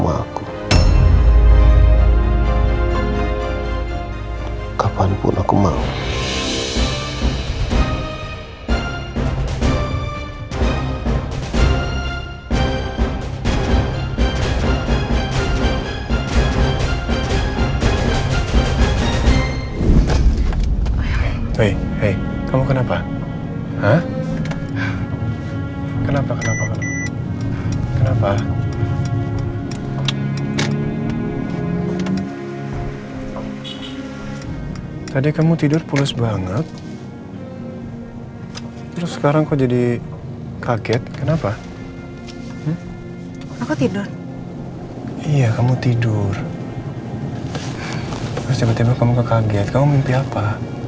aku hanya ingin rena menganggil aku dengan sebutan papa